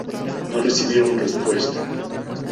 No recibieron respuesta.